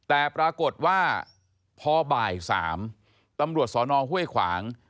แต่ปรากฏว่าพอบ่าย๓ตำรวจสนห้วยขวาง